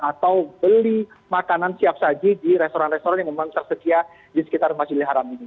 atau beli makanan siap saji di restoran restoran yang memang tersedia di sekitar masjidil haram ini